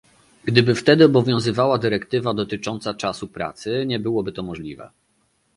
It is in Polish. Gdyby wtedy obowiązywała dyrektywa dotycząca czasu pracy, nie byłoby to możliwe